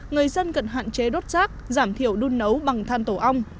người dân cần hạn chế đốt rác giảm thiểu đun nấu bằng than tổ ong